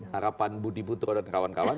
harapan budi budro dan kawan kawan